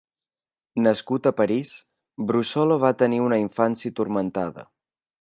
Nascut a Paris, Brussolo va tenir una infància turmentada.